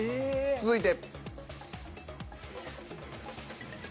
続いて。